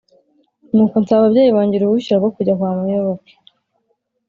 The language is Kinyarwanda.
nuko nsaba ababyeyi bange uruhushya rwo kujya kwa muyoboke,